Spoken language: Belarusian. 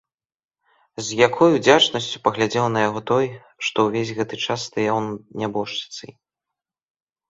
З якой удзячнасцю паглядзеў на яго той, што ўвесь гэты час стаяў над нябожчыцай!